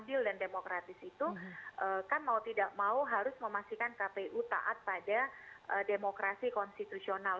adil dan demokratis itu kan mau tidak mau harus memastikan kpu taat pada demokrasi konstitusional